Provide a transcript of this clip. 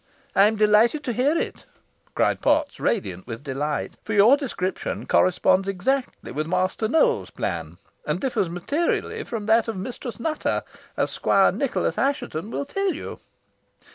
"I'm delighted to hear it," cried Potts, radiant with delight, "for your description corresponds exactly with Master Nowell's plan, and differs materially from that of Mistress Nutter, as Squire Nicholas Assheton will tell you."